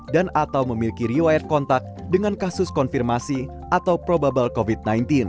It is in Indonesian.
dan atau memiliki riwayat kontak dengan kasus konfirmasi atau probable covid sembilan belas